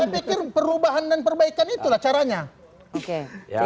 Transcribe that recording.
saya pikir perubahan dan perbaikan itulah caranya